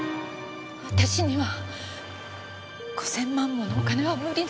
私には５千万ものお金は無理です。